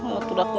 oh itu dah pak man